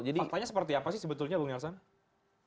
faktanya seperti apa sih sebetulnya bung helsan